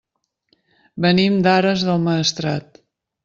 Venim d'Ares del Maestrat.